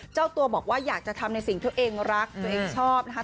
เจ้าตัวบอกว่าอยากจะทำในสิ่งตัวเองรักตัวเองชอบนะคะ